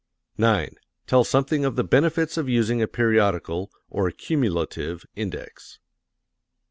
9. Tell something of the benefits of using a periodical (or cumulative) index.